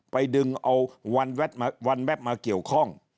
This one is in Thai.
ไปดึงเอาวันแป๊บมาเกี่ยวข้อง